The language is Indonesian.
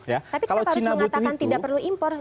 tapi kenapa harus mengatakan tidak perlu impor